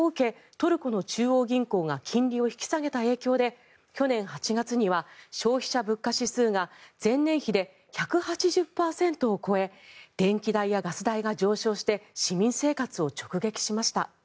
トルコの中央銀行が金利を引き下げた影響で去年８月には消費者物価指数が前年比で１８０％を超え電気代やガス代が上昇して市民生活を直撃しました。